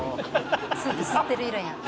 「スープ吸ってる色や」